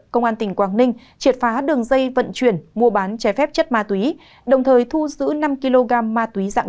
công an tỉnh quảng ninh triệt phá đường dây vận chuyển mua bán trái phép chất ma túy đồng thời thu giữ năm kg ma túy dạng